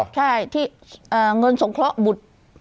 ใช่ที่เงินสงเคราะห์บุตร